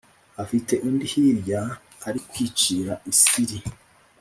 Afite undi hirya ari kwicira isiri